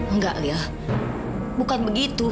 enggak liel bukan begitu